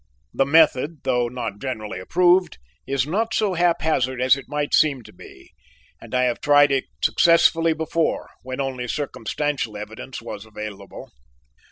The method, though not generally approved, is not so haphazard as it might seem to be, and I have tried it successfully before when only circumstantial evidence was available.